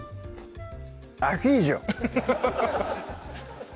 アヒージョ！